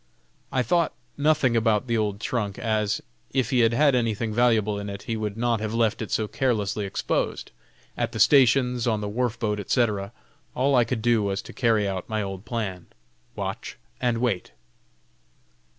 I thought nothing about the old trunk, as, if he had had anything valuable in it, he would not have left it so carelessly exposed, at the stations, on the wharf boat, etc. All I could do was to carry out my old plan: "Watch and wait."